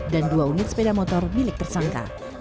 dan dua unit sepeda motor milik tersangka